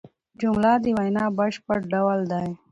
جمله د وینا بشپړ ډول دئ.